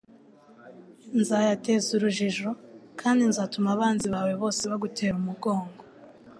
nzayateza urujijo kandi nzatuma abanzi bawe bose bagutera umugongo